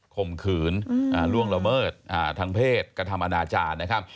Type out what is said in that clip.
ข่มขืนล่วงละเมิดทางเพศกระทำอนาจารย์นะครับ